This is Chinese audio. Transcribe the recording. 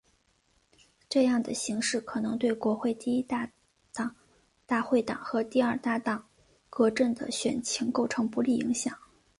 这样的形势可能对国会第一大党大会党和第二大党革阵的选情构成不利影响。